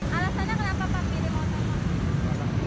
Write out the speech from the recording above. alasannya kenapa pak mirip motor